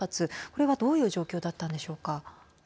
これは、どういう状況だったのでしょうか。